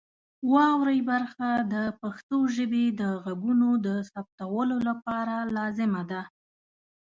واورئ برخه د پښتو ژبې د غږونو د ثبتولو لپاره لازمه ده.